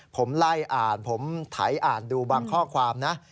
ผมไล่อ่านผมถ่ายอ่านดูบางข้อความนะ